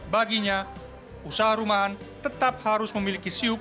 baginya usaha rumahan tetap harus memiliki siup